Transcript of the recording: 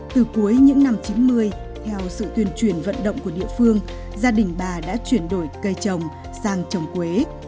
từ cuối những năm chín mươi theo sự tuyên truyền vận động của địa phương gia đình bà đã chuyển đổi cây trồng sang trồng quế